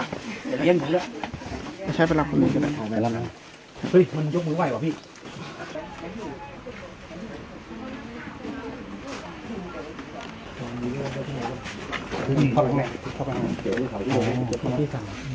เดี๋ยวผมจะกลับไปเรียนบ้างจงนี้งานหายากจะเรียนกันแล้ว